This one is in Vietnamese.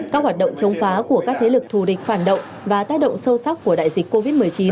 các hoạt động chống phá của các thế lực thù địch phản động và tác động sâu sắc của đại dịch covid một mươi chín